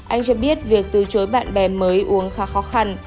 anh cho biết việc từ chối bạn bè mới uống khá khó khăn